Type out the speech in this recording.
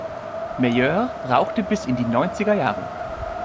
Meilleur rauchte bis in ihre Neunzigerjahre.